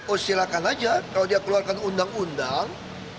oh silakan aja kalau dia keluarkan undang undang